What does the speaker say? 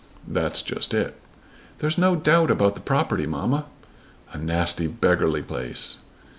"That's just it." "There's no doubt about the property, mamma." "A nasty beggarly place!"